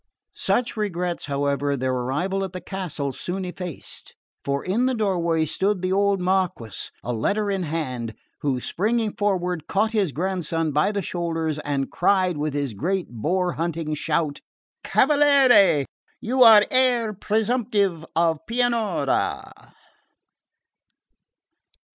Such regrets, however, their arrival at the castle soon effaced; for in the doorway stood the old Marquess, a letter in hand, who springing forward caught his grandson by the shoulders, and cried with his great boar hunting shout, "Cavaliere, you are heir presumptive of Pianura!"